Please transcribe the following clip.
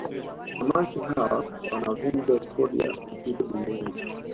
Samaki hawa wanavunja rekodi ya uzito duniani